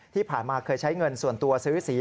ที่ผ่านมาเคยใช้เงินส่วนตัวซื้อสี